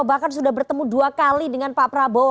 bahkan sudah bertemu dua kali dengan pak prabowo